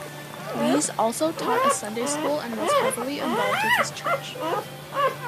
Lees also taught a Sunday School and was heavily involved with his church.